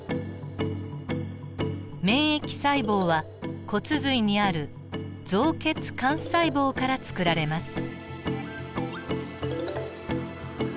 免疫細胞は骨髄にある造血幹細胞からつくられます。